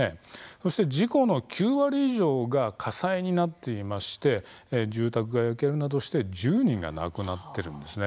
そして事故の９割以上が火災になっていまして住宅が焼けるなどして１０人が亡くなっているんです。